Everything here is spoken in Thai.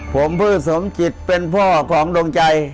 ผมชื่อสมจิตเป็นพ่อของดวงใจ